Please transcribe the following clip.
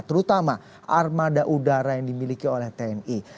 terutama armada udara yang dimiliki oleh tni